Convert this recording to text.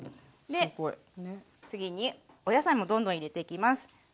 で次にお野菜もどんどん入れていきます。